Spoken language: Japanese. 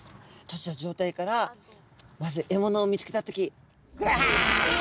閉じた状態からまず獲物を見つけた時グワ！